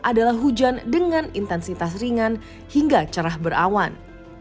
adalah hujan dengan intensitas ringan hingga cerah berawan